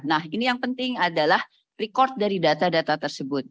nah ini yang penting adalah record dari data data tersebut